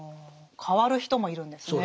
変わる人もいるんですね。